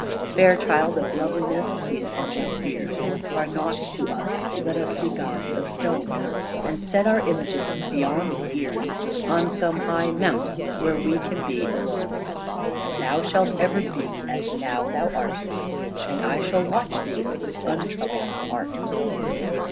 Fair child of loveliness, these endless fears Are nought to us; let us be gods of stone, And set our images beyond the years On some high mount where we can be alone. And thou shalt ever be as now thou art, And I shall watch thee with untroubled heart.